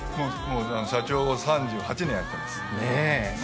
社長を３８年やっています。